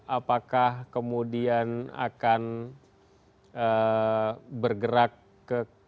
apakah kemudian akan bergerak ke